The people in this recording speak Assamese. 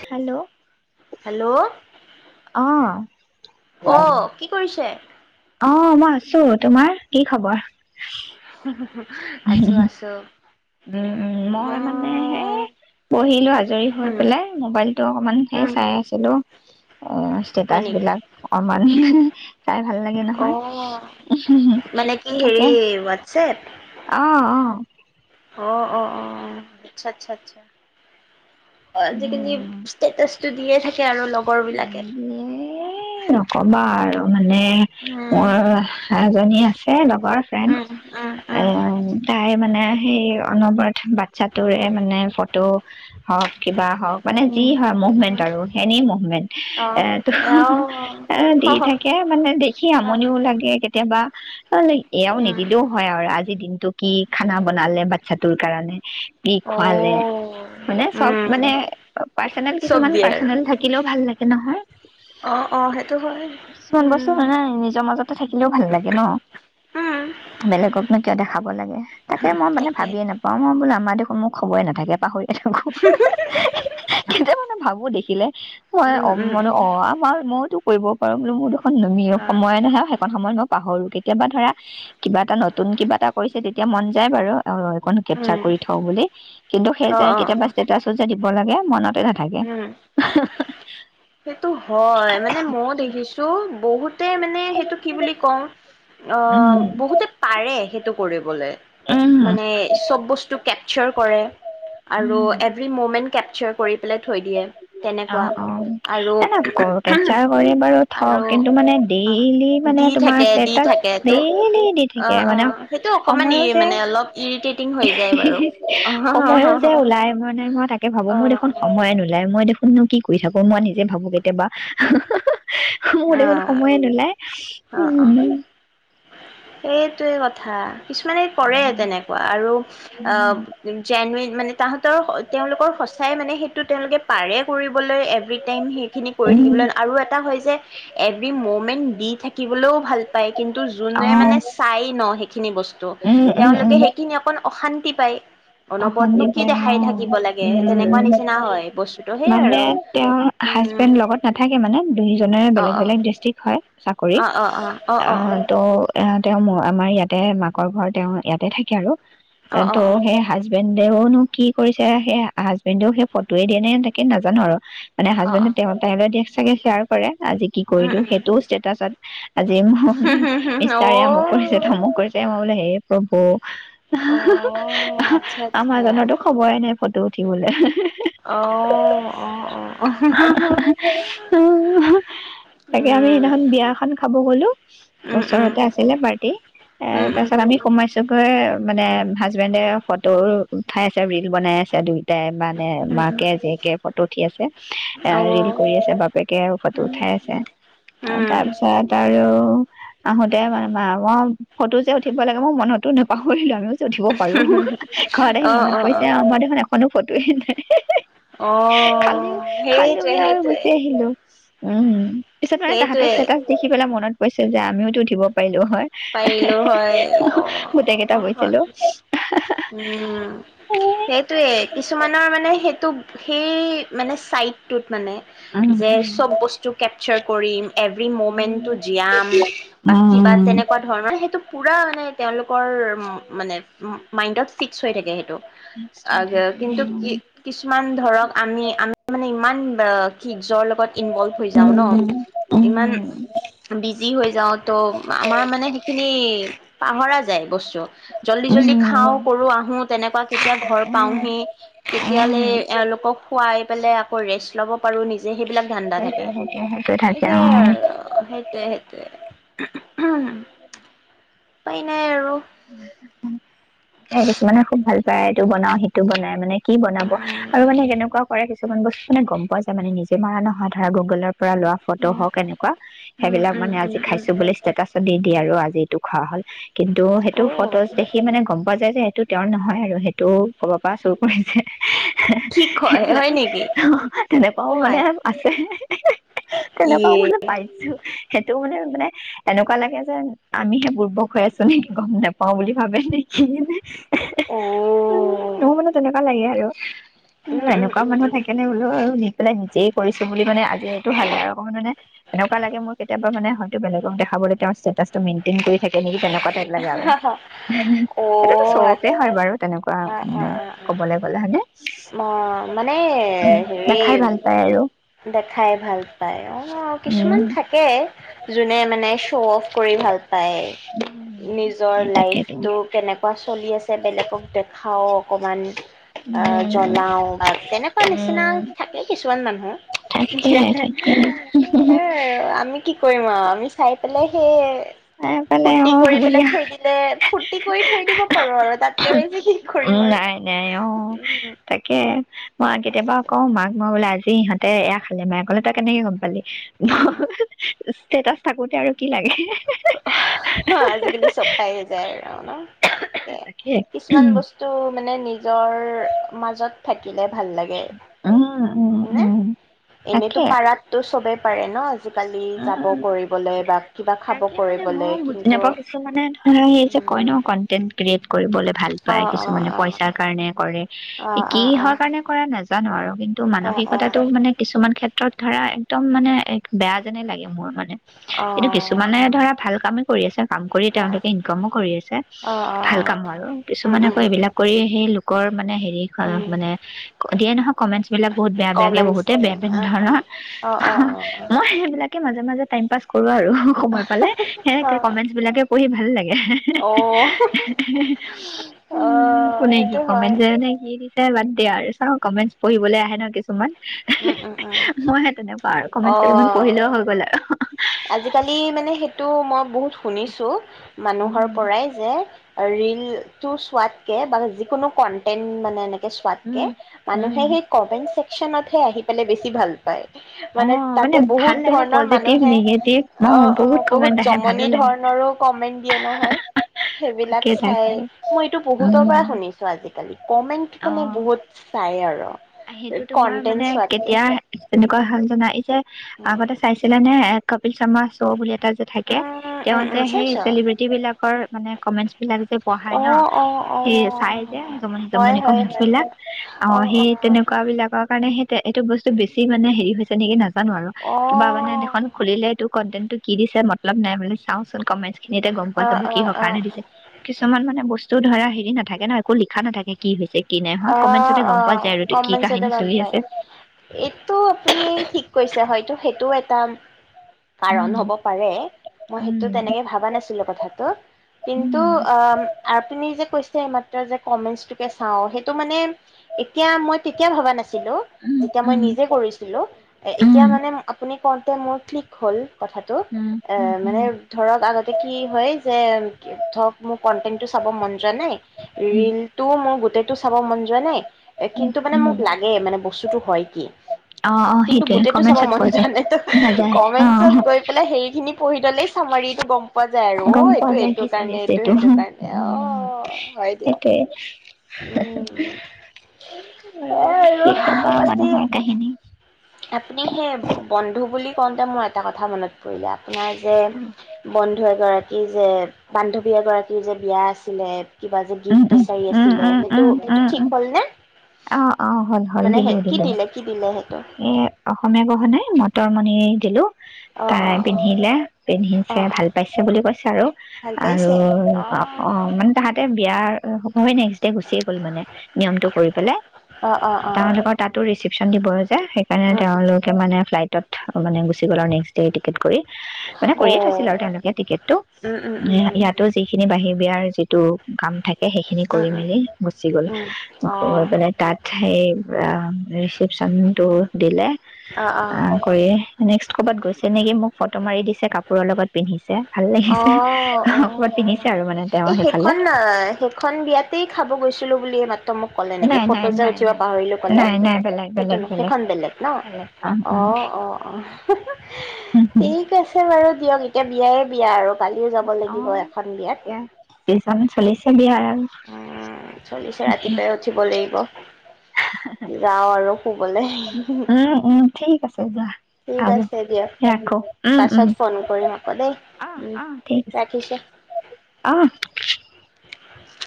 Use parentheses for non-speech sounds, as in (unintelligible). হেল্ল' হেল্ল' অহ '। অ, কি কৰিছে? অ মই আছো। তোমাৰ কি খবৰ? (unintelligible) আছো আছো উম মই মানে মোৰ হেই পঢ়িলো আজৰি হৈ পেলাই মোবাইলতটো অকমান হেই উম চাই আছিলো। অ'। অ হয় ষ্টেটাচ নেকি বিলাক অমান। (inaudible) চাই ভাল লাগে অ নহয়। মানে কি হেৰি তাকে হোৱাটছএপ অ, অ অ', অ', অ', আচ্ছা, আচ্ছা, আচ্ছা। উম (unintelligible) ষ্টেটাচটো দিয়ে থাকে আৰু লগৰ বিলাক (unintelligible) নকবা আৰু মানে উম মোৰজনী আছ (unintelligible) ৰ ফ্ৰেণ্ড উম উম উম এই তাই মানে সেই অনবৰত বাচ্ছাটোৰে মানে ফটো হওঁক কিবা হওঁক মানে যি উম হয়, মুভমেন্ট উম আৰু এনি মুভমেন্ট অ এ ত এও এ দি অ থাকে মানে দেখি আমনিও লাগে কেতিয়াবা অ', এয়াও উম নিদিলেও হয়, আৰু আজি দিন টো কি খানা বনালে, বাচ্ছাটোৰ কাৰণে। কি অ খুৱালে মানে চব উম মানে পাৰ্চনেল চব কিছুমান দিয়ে আৰু পাৰ্চনেল থাকিলেও ভাল লাগ (unintelligible) অ অ সেইটো হয় কিছুমান বস্তু উম হয়, নাই নিজৰ মাজতে থাকিলেও ভাল লাগে ন? উম, বেলেগকনো কিয় দেখাব লাগে তাকে মই মানে তাকে ভাবিয়ে নাপাওঁ মই বোলো আমাৰ দেখ (inaudible) কেতিয়া মানে ভাবো দেখিলে মই উম অ উম মানে উম অ আমাৰ ম কৰিব পাৰোঁ বুলি ম নুমি হয় সময় নহয় সেইখন সময়ত নক পাহৰোঁ কেতিয়াবা ধৰা কিবা এটা নতুন কিবা এটা কৰিছে তেতিয়া এতিয়া মন যায় বাৰু সেই কনো কেপচাৰ উম কৰি থওঁ বুলি কিন্তু সেই অ যে অ কেতিয়াবা ষ্টেটাচো যে দিব লাগে মনত উম সেইটো হয় মানে মই দেখিছো বহুত তে মানে সেইটো কি বুলি কওঁ অ উম বহুতে পাৰে সেইটো কৰিব বোলে উম মানে চব বস্তু কে চপ কৰে আৰু উম এভি মমেণ্ট কেপচাৰ কৰে অ অ আৰু এনে কৰ কেপচাৰ কৰি বাৰু থক আৰু কিন্তু মানে অ ডেইলি মানে দি তোমাৰ থাকে দি ষ্টেটাচ থাকে তো ডেইলি দি থাকে অ', মানে অ', সেইটো অকমান ই সময়ো যে মানে অলপ ইৰিটেটিং হৈ যায় বাৰু। অ', অ', সময়ো যে ওলাই মানে মই নাই মই তাকে ভাবো মোৰ অ', দেখোন অই নোলাই মই দেখো মইনো কি কৰি থাকো মই নিজে ভাবো কেতিয়াবা মোৰ দেখোন সময়ে নোলাই অ', উ অ', অ'। সেইটোৱে কথা কিছুমানে কৰে তেনেকুৱা আৰু জেনুৱন মানে তাহাতৰ তেওঁলোকৰ সঁচাই মানে সেইটো তেওঁলোকে পাৰে কৰিবলৈ ৰিতেন সেই খিনি উম কৰিব লাগে আৰু এটা হৈছে এভিৰীমোমেত দি থাকিব ভাল পায় কিন্তু যি অ মানে চাই ন সেইখিনি বস্তু উম উম তেওঁলোকে উম সেইখিনি অকন অশান্তি পাই অশান্তি পায় অ উ তেনেকুৱা নিচিনা হয় বস্তুটো সেই মানে আৰু তেওঁৰ উম হাজবেণ্ড লগত নাথাকে মানে দুইজনেৰে অ বেলেগ অ বেলেগ ডৃষ্ট্ৰিক হয় চাকৰি অ ত' তেওঁ আমাৰ ইয়াতে মাকৰ ঘৰ তেওঁ ইয়াতে থাকে আৰু অহ, অহ, অহ। বেণ্ডেওনো কি কৰিছে সেই হাজবেণ্ডেও সেই ফটোয়ে দিয়ে নে তাকে নাজানো আৰু। মানে অ অ হাজবেণ্ডে তেওঁ তাইলে (unintelligible) চাগে শ্বেয়াৰ কৰে। আজি কি উম কৰিলো উম সেইটোও ষ্টেটাচত আজি ম হুম হুম হুম মিষ্টাৰেমু কৰিছে হুম থমুক কৰিছে মই বোলে হে প্ৰভু অ'। অ' অ' আচ্ছা আচ্ছা আমাৰ জনৰটো খবৰে নাই। ফটো উঠিবলৈ। অ' অ' অ' উ তাকে আমি সেইদিখন উম বিয়া এখন খাব গলো উম ওচৰতে আছিলে পাৰ্টি এ উম তাৰ উম পিছত আমি সোমাইছো মানে হাজবেণ্ডে তোৰ উঠাই আছে ৰিল বনাই আছে দুই তে মানে উম উম মাকে জীয়েকে ফটো উঠি আছে এ উম অ' ৰিল উম কৰি আছে বাপেকে ফটো উঠাই আছে তাৰপিছত আৰু অহ, আহোতে মানে মা ম ফটো যে উঠিব লাগে মই মনতো নেপাহৰিলোঁ আৰু। উঠিব পাৰো ঘৰত আহি অ' মনত অ' অ' পৰিছে আমাৰ দেখোন এখনো ফত য়ে নাই। খালি অহ, খালো সেইটোৱে গৈ আৰু সেইটোৱে। গুচি আহিলো উম। পিছত মানে তাঁৰ সেইটোৱে ষ্টেটাচ দেখি পেলায় মনত কৈছে যে আমিওতো উঠিব পাৰিলো হ হয়, পাৰিলো হয় অ' গোটেই কেইটা অ হয় হৈছিলোঁ। উম সেইটোয়ে কিছুমানৰ মানে সেইটো সেই মানে চাইটোত মানে উম যে চব বস্তু কেপচাৰ কৰিম এভৰি মমেন্টটো জীয়াম বা কিবা তেনেকুৱা ধৰণৰ সেইটো পুৰা তেওঁলোকৰ মানে মাইডত ফিক্স হৈ থাকে সেইটো নেক্সট থাকে কিন্তু কিছুমান ধৰক আমি আমি মানে ইমান কি নিজৰ লগত ইনভল হৈ যাওঁ ন ইমান বি যি হৈ যাওঁ তো আমাৰ মানে সিখিনি পাহৰা যায় বস্তু জলদি জলদি খাও কৰো আহো তেনেকুৱা কেতিয়া ঘৰ পাওহি কেতিয়ালৈ এওঁলোকক খোৱাই পেলাই আকৌ ৰেষ্ট লব পাৰো নিজে সেইবিলাক সেইটোৱে ধান্দা সেইটোৱে থাকে সেইটোৱে সেইয়াই থাকে অ আৰু সেইটোয়ে সেই (inaudible) উপাই নাই আৰু পিছে কিছুমানে খুব ভাল এইটো বনাও সেইটো বনাই মানে কি বনাব আৰু উম মানে কেনেকুৱা কৰে কিছুমান বস্তু মানে গমোৱা যায় মানে নিজে মৰা নহয় ধৰা গুগলৰ পৰা লোৱা ফটো হওক এনেকুৱা উম সেইবিলাক উম মানে আজি উম উম খাইছো বুলি ষ্টেটাচত দি দি আৰু আজি এইটো খোৱা হ'ল কিন্তু সেইটো অ ফটোজ দেখি মানে গম প পোৱা যায় যে সেইটো তেওঁৰ নহয় আৰু সেইটো ক'ব পৰা চুৰ কৰিছে হাআআ কি কয় হয় সেইবিলাকো নেকি তেনেকুৱাও অ মানে আই আছে হিইইই কি তেনেকুৱাও ইয়ে মে পাইছো সটো মানে মানে এনেকুৱা লাগে যে আমিহে বোৰবক‌ হৈ আছো নেকি গম নোপাও বুলি ভাবে নেকি হিইইইই অ উম নহ মানে তেনেকুৱা লাগে আৰু উম উম এনেকুৱা উম মানুহ থাকে নে বোলো আৰু ন পেলাই নিজেই কৰিছো বুলি মানে আজিৰ এইটো ভালে আৰু অকণমান মানে এনেকুৱা লাগে মোৰ কেতিয়াবা মানে হয় বেলেগক দেখাবলৈ তেওঁ ষ্টেটাছটো মেইনেই কৰি থে নেকি তেনেকুৱ লাগে আৰু উম অ সেইটোতো চৌকে আচ্ছা হয় বাৰু তেনেকুৱা অ', অ', মানে অ', অ', কবলৈ গ'লে হয়নে অ মানে উম, হেৰি দেখাই ভাল পায় আৰু দেখাই ভাল পায় অ কিছুমান উম থাকে যোনে মানে শ্ব' অফ কৰি ভাল পায় উম, নিজৰ সেই তাকেইতো লাইফট কেনেকুৱা চলি আছে বেলেগক দেখাওক অকণমান অ উম, জলাও বা তেনেকুৱা নিচিনা উম, থাকে কিছুমান মানুহ তাকে তাকে। আমি কি কৰিম আৰু আমি চাই পেলাই সেই চাই পেলাই ফুৰ্তি অ' কৰি হ'ব পেলাই দিয়া। থৈ দিলে ফূুৰ্তি কৰি থৈ দিব পাৰো আৰু তাতকে বেছি কি কৰিম আৰু দে অ তাকে মই কেতিয়াবা কওঁ মাক মই বোলে আজি স ইিহঁতে এয়া খালে মায়ে ক'লে তই কেনেকে গম পালি উম উম ষ্টেটাচ থাকোতে আৰু কি লাগে অ আজিকালি চপাইয়ে যায় আৰু ন তাকে কিছুমান বস্তু মানে নিজ অ নিজৰ মাজত থাকিলে ভাল লাগে উম, উম, ন মানে উম, এনেতো তাকে পাৰাতো চবে পাৰে ন আজিকালি যাব উম। কৰিবলৈ বা কিবা খাব তাকে মানে কৰিবলৈ মই বুজি কিন্তু নাপাওঁ কিছু মানে ধৰা স যে কই ন উম কণ্টেণ্ট ক্ৰিয়েট কৰিবলে ভাল অ পায় অ কিছুমানে অ পইচাৰ কাৰণে কৰে অ অ কি অ হোৱাৰ কাৰণে কৰা নাযা ন আৰু কিন্তু অ অ মানসিকতাটো মানে কিছুমান ক্ষেত্ৰত ধৰা একদম মানে এক বেয়া যেনে লাগে মোৰ মানে অ কি কিছুমানে ধৰা ভাল কামে কৰি আছা ক কৰি অ অ তেওঁলোকে ইনকামো কৰি আছে অ ভাল কাম আৰু উম কিছুমানে আকৌ উম এইবিলাক কৰি সেই ক মানে হেৰি উম মানে দিয়ে নহয় কমেন্টচ বিলাক বহুত বেয়া বেয়াকে কমেণ্টছ বহুতে বেয়া অ অ ধৰণৰ অ অ মই সেইবিলাকে মাজ মাজে মাজে টাইম পাছ কৰা আৰু সময় পালে সে অ অ কমেন্টছ বিলাকে, প় ভাল লাগে অ অ' উম অ', কোনে কি সেইটো হয়। কমেণ্ট যে নে কি দিছে ব দিয়া আৰু চা কমেণ্টছ পঢ়িবলৈ আহে ন কিছুমান উম, উম, উম। মইহে তেনেকুৱা আৰু কমেণ্ট কেেলিমান অ', পঢ়িলেও হৈ গ'ল আৰু আজিকালি মানে সেইটো মই বহুত শুনিছো মানুহৰ উম, পৰাই যে ৰীল োৱাতকে বা যিকোনো কন্টেন্ মানে চোৱাতকে উম। উম, মানুহে সেই কমেন্ট ছেকনত সে আহি পেলাই বেছি ভাল পায়। অ', মানে তাতে বহুত ভাল লাগে ন? ধৰণৰ পজিটিভ মানুহে নি (unintelligible) অ', বহুত কমেণ্ট আহে ভালো লাগে। দিয়ে নহয় সেইবিলাক তাকে চাই তাকে মই এইটো বহুতৰ পৰা উম, শুনিছো আজিকালি। কমেণ্ট মানে অ'। বহুত চাই আৰু। সেইটো তোমাৰ কন্টেন্ট মানে চোৱাতকে। কেতিয়া তেনেকুৱা ভাল জনাই যে উম, আগতে চাইছিলে নে কপিল শৰ্মা শ্ব' বুলি এটা যে থাকে উম, তেওঁ যে উম, সেই চাইছ? চেলিব্ৰিটি বিলাকৰ মানে কমেন্টচ বিলাক যে পঢ়ায় ন অ', অ', অ'। সেই চাই যে জমনি হয়, জমনি হয়, কমেন্টচ হয়, বিলাক অ সি তেনেকুৱা বিলাকৰ কাৰণে সে এ এইটো বস্তু বেছি মান হেৰি হৈছে নেকি নাজ জানো আৰু অ'। অ', কিবা মানে দেখোন খুলিলে তোক কণ্টেন্টো কি দিছে ম অলপ নাইবুলু চাওচোন কমেন্ট খিনিতে গম পোৱা অ', যাব কি কাৰ অ', কিছুমান মে ব সেইটো ধৰা হেৰি নাথাকে ন একো লিখা নাথাকে কি হৈছে কি নাই হোৱা অ কমেন্টচতে অ গম পোৱা যায় আৰু কি কমেন্ট চনতে কাহিনী গম চলি পায় আছে এইটো আপুনি ঠিক কৈছে হয়তো সেইটো পতাম কাৰণ উম হ'ব পাৰে মই সেইটো উম তেনেকে ভবা নাছিলো কথাটো কিন্তু উম অ আৰু আপুনি যে কৈছে এইমাত্ৰ যে কমেন্টচটোকে চাওঁ সেই তটো মানে তেতিয়া মই তেতিয়া ভবা নাছিলো উম যেতিয়া মই উম নিজে কৰিছিলো এতিয়া উম মানে আপুনি কৰওঁতে মোৰ ক্লিক হ'ল কথাাতটো উম এ উম উম মানে ধৰক আগতে কি হয় যে ধৰক মোৰ কন্টেটটো চাব মন যোৱা নাই উম ৰিলটোও মোৰ গোটেই চাব মন যোৱা নাই এ কিন্তু মানে মোক উম লাগে মানে বস্তুটো হয় কি অ অ কিন্তু সেইটোয়ে গোটেইটো চাব কমেন্টচত মন পোৱা যোৱা যায় নাই তো নাযায় অ কমেন্চত গৈ পেলাই হে খিনি পঢ়ি দ'লেই চামাৰিটো গ'ম পোৱা যায় আৰু অ গম এইটো পোৱা যায় এইটো কি চলি কাৰণে আছে এইটো উ সেইটো কাৰণে অ হয় দিয়ক সেইটোৱে উম আৰু সেয়াই কি কবা বাকী মানুহৰ কাহিনী আপুনি সেই বন্ধু বুলি কওঁতে মোৰ এটা কথা মনত লে আপোনাৰ যে আৰু বন্ধু এগৰাকী কি যে বান্ধৱী এগৰাকীৰ যে বিয়া আছিলে কিবা যে উম গিফ্ট উম বিচাৰি উম আছিলে উম সেইটো উম সেইটো উম উম ঠিক হ'ল নে? অ (unintelligible) অ', হ'ল, হ'ল মানে দিলো কি দিলো দিলে কি দিলে সেইটো এ অসমীয়া গহণাই মতৰমণিয়েই দিলো। অ অ তাই অ পিন্ধিলে অ পিন্ধিছে অ ভাল পাইছে বুলি কৈছ বিচাৰো ভাল আৰু পাইছে অ', মানে তাহাঁতে বিয়াৰ নেক্স ডে গুচিয়ে গ'ল মানে নিয়মটো কৰি পেলাই। অ', অ', অ', তেওঁলোকৰ তাতো ৰেচিপ (unintelligible) যে, সেইকাৰণে উম, তেওঁলোকে মানে ফ্লাইটত মানে গুচি গ'ল আৰু নেক্স ডে' টিকেট কৰি। মানে কৰিয়ে থৈছিল অ', আৰু তেওঁলোকে টিকেটটো উম, উম, উম, উম, ইয়াতো যিখিনি বাহি বিয়াৰ যিটো কাম থাকে ে সেইখিনি উম, কৰি উম, মেলি গুচি গ'ল উম, অ', গৈ অ', মানে সেই ৰিচিপচন টো দিলে অ' কয়েক্ ক'ৰবাত গৈছে নেকি মোক ফটো মাৰি দিছে কাপোৰৰ লগত পিন্ধিছে ভাল লাগিছে অ' অ' ক'ৰবাত পিন্ধিছে আৰু মানে তেওঁ এই সেইফালে সেইখন আহ সেইখন বিয়াতেই খাব গৈছো বুলিয়ে মাত মোক ক'লে নেকি নাই নাই ফটো যে নাই উঠিব নাই পাহৰিলো ক'লে নাই নাই বেলেগ সেইটো বেলেগ নো সেইখন বেলেগ ন বেলেগ অ' অ' অ' ঠিক আছে বাৰু দিয়ক এতিয়া বিয়ায় বিয়া আৰু অ' এতিয়া পিজন চলিছ বিহাৰত উম চলিছে ৰাতিপুৱাই উঠিব লাগিব যাওঁ আৰু খুব উম উম ঠিক আছে যোৱা ঠিক হব আছে দিয়ক ৰাখো উম উম পাছত ফোন কৰিম আকৌ দেই আহ উম আহ ঠিক আছে ৰাখিছোঁ। আহ হয়।